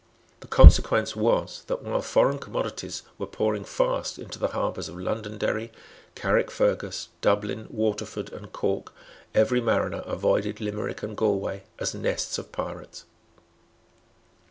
The consequence was that, while foreign commodities were pouring fast into the harbours of Londonderry, Carrickfergus, Dublin, Waterford and Cork, every mariner avoided Limerick and Galway as nests of pirates.